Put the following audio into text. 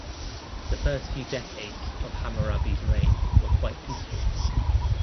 The first few decades of Hammurabi's reign were quite peaceful.